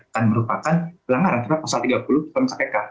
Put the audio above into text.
dan merupakan pelanggaran terhadap pasal tiga puluh pemkpk